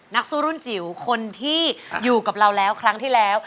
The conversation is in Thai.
นักสู้รุ่นจิ๋วคนที่อยู่กับเราแล้วครั้งที่แล้ว